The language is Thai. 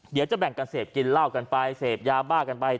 เดี๋ยวจะแบ่งกันเสพกินเหล้ากันไปเสพยาบ้ากันไป